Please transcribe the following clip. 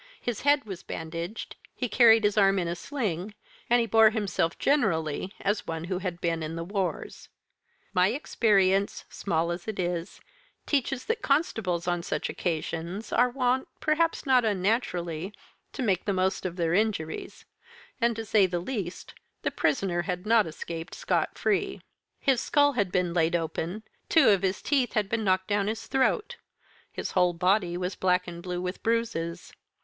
His head was bandaged, he carried his arm in a sling, and he bore himself generally as one who had been in the wars. My experience, small as it is, teaches that constables on such occasions are wont, perhaps not unnaturally, to make the most of their injuries; and, to say the least, the prisoner had not escaped scot free. His skull had been laid open, two of his teeth had been knocked down his throat, his whole body was black and blue with bruises.